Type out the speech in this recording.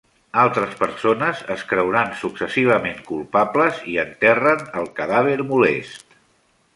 Altres persones es creuran successivament culpables, i enterren el cadàver molest.